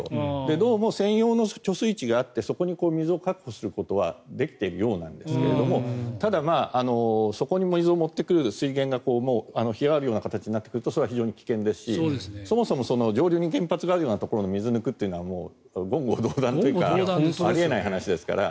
どうも専用の貯水池があってそこに水を確保することはできているようなんですがただ、そこに水を持ってくる水源が干上がるような形になってくるとそれは非常に危険ですしそもそも上流に原発があるようなところの水を抜くというのは言語道断というかあり得ない話ですから。